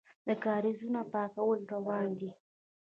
د کاریزونو پاکول روان دي؟